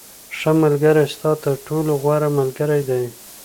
• ښه ملګری ستا تر ټولو غوره ملګری دی.